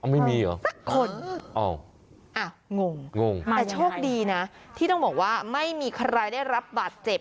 ไม่มีเหรอสักคนงงงแต่โชคดีนะที่ต้องบอกว่าไม่มีใครได้รับบาดเจ็บ